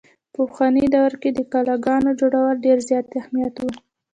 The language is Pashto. په پخواني دور کښې د قلاګانو جوړولو ډېر زيات اهميت وو۔